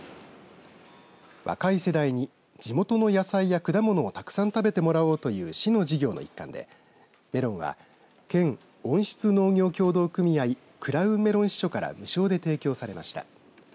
若い世代に地元の野菜や果物をたくさん食べてもらおうという市の事業の一環でメロンは県温室農業協同組合クラウンメロン支所から無償で提供されました。